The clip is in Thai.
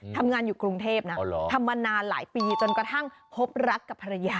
ทำงานอยู่กรุงเทพนะทำมานานหลายปีจนกระทั่งพบรักกับภรรยา